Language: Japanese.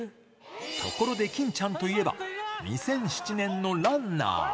ところで欽ちゃんといえば、２００７年のランナー。